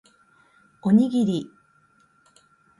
おにぎり